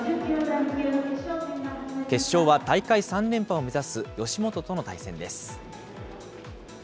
決勝は大会３連覇を目指す吉元との対戦です。